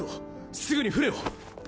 すぐに艦を。